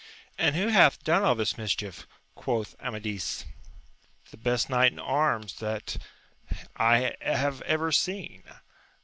And who hath done all this mischief? quoth Amadis. The best knight in arms that I have ever seen.